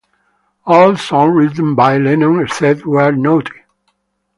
All songs written by Lennon, except where noted.